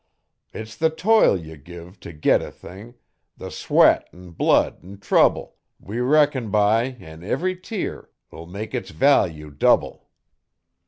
It's the toil ye give t' git a thing the sweat an' blood an' trouble We reckon by an' every tear'll make its value double.